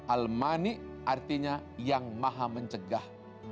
al manik artinya yang maha mencegah